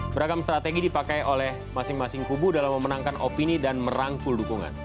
beragam strategi dipakai oleh masing masing kubu dalam memenangkan opini dan merangkul dukungan